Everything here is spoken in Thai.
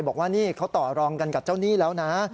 บอกว่านี่เขาต่อรองกันกับเจ้าหนี้แล้วนะ